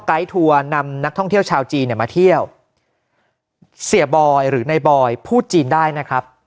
ทัวร์นำนักท่องเที่ยวชาวจีนเนี่ยมาเที่ยวเสียบอยหรือในบอยพูดจีนได้นะครับ